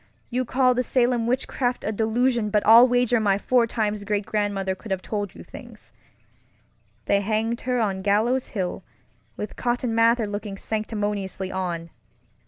You call the Salem witchcraft a delusion, but I'll wager my four times great grandmother could have told you things. They hanged her on Gallows Hill, with Cotton Mather looking sanctimoniously on.